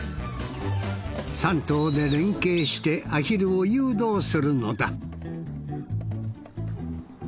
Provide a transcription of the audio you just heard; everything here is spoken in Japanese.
３頭で連携してアヒルを誘導するのだ